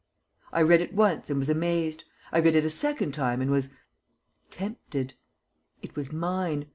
I read it once and was amazed. I read it a second time and was tempted. It was mine.